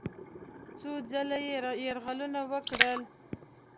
څو ځله یې یرغلونه وکړل.